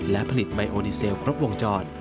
และผลิตไมโอดีเซลครบวงจร